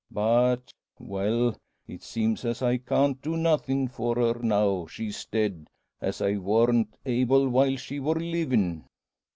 But well, it seems as I can't do nothin' for her now she's dead, as I warn't able while she wor livin'."